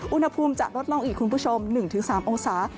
อุณหภูมิจะลดลงอีกคุณผู้ชม๑๓องศา